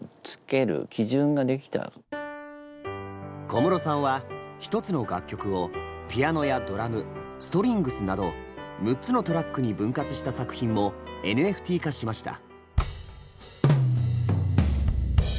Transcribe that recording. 小室さんは１つの楽曲をピアノやドラムストリングスなど６つのトラックに分割した作品もＮＦＴ化しました。